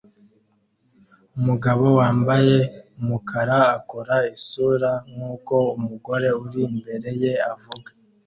Umugabo wambaye umukara akora isura nkuko umugore uri imbere ye avuga